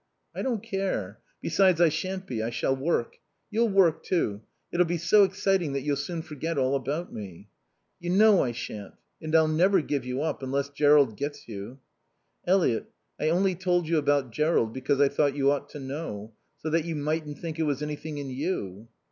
"I don't care. Besides, I shan't be. I shall work. You'll work, too. It'll be so exciting that you'll soon forget all about me." "You know I shan't. And I'll never give you up, unless Jerrold gets you." "Eliot I only told you about Jerrold, because I thought you ought to know. So that you mightn't think it was anything in you."